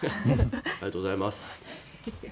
ありがとうございます。